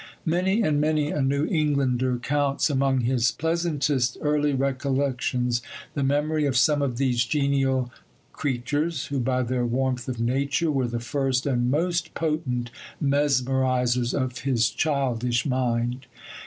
Many and many a New Englander counts among his pleasantest early recollections the memory of some of these genial creatures, who by their warmth of nature were the first and most potent mesmerizers of his childish mind.